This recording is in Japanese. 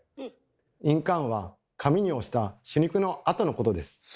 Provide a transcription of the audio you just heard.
印鑑は紙に押した朱肉の跡のことです。